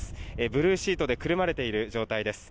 ブルーシートでくるまれている状態です。